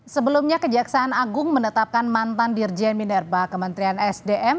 sebelumnya kejaksaan agung menetapkan mantan dirjen minerba kementerian sdm